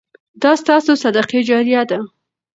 دا ستاسو صدقه جاریه ده.